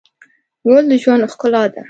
ګل د ژوند ښکلا ده.